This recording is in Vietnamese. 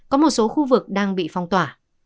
có một số khu vực đang bị phong tỏa